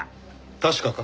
確かか？